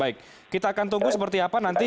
baik kita akan tunggu seperti apa nanti